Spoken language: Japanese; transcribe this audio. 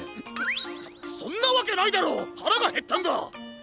そそんなわけないだろ！はらがへったんだ！